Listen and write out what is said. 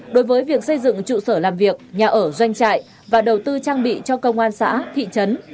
đối với việc xây dựng trụ sở làm việc nhà ở doanh trại và đầu tư trang bị cho công an xã thị trấn